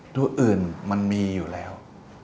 ตัวอื่นมันมีอยู่แล้ว